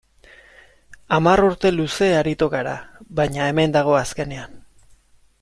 Hamar urte luze aritu g ara, baina hemen dago azkenean.